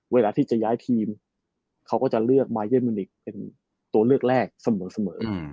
เวลาที่จะย้ายทีมเขาก็จะเลือกมาเย่นมิวนิกเป็นตัวเลือกแรกเสมอ